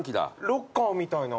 ロッカーみたいな？